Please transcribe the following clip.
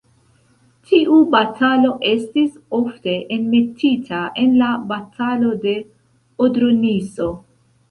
Tiu batalo estis ofte enmetita en la Batalo de Odro-Niso.